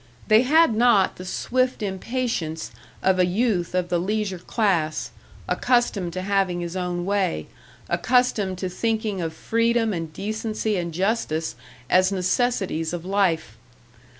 They had not the swift impatience of a youth of the leisure class, accustomed to having his own way, accustomed to thinking of freedom and decency and justice as necessities of life.